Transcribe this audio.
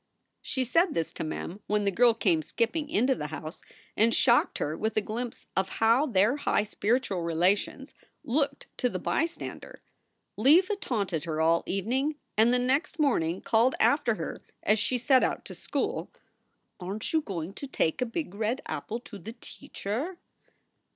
She said this to Mem when the girl came skipping into the house, and shocked her with a glimpse of how their high spiritual relations looked to the bystander. Leva taunted her all evening, and the next morning called after her, as she set out to school : "Aren t you going to take a big red apple to teacher?"